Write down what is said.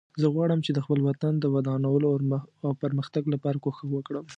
زه غواړم چې د خپل وطن د ودانولو او پرمختګ لپاره کوښښ وکړم